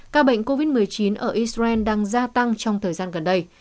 ca bệnh covid một mươi chín ở israel đang gia tăng trong thời gian gần đây